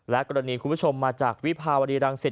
กรณีคุณผู้ชมมาจากวิภาวดีรังสิต